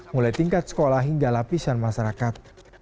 mulai tingkat sekolah hingga lapisan masyarakat